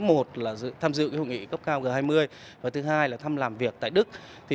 một là tham dự hội nghị cấp cao g hai mươi và thứ hai là thăm làm việc tại đức